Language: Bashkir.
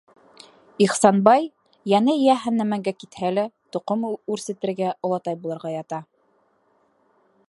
Ихсанбай, йәне йәһәннәмгә китһә лә, тоҡом үрсетергә, олатай булырға ята.